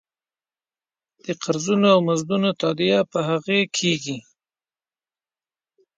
د قرضونو او مزدونو تادیه په هغې کېږي.